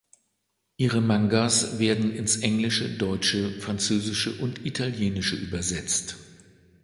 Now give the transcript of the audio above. Ihre Mangas werden ins Englische, Deutsche, Französische und Italienische übersetzt.